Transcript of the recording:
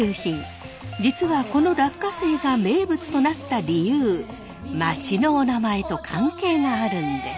実はこの落花生が名物となった理由町のおなまえと関係があるんです！